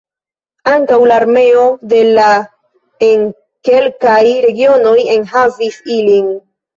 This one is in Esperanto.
Ankaŭ la armeo de la en kelkaj regionoj enhavis ilin.